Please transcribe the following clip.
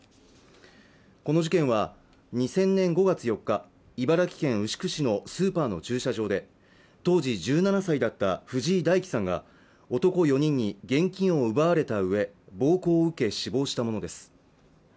この事件は２０００年５月４日、茨城県牛久市のスーパーの駐車場で当時１７歳だった藤井大樹さんが男４人に現金を奪われたうえ暴行を受け死亡したものです。